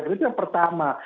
itu yang pertama